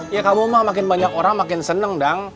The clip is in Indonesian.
ya kamu mah makin banyak orang makin seneng dong